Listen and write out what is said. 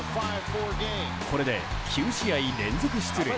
これで９試合連続出塁。